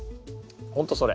ほんとそれ。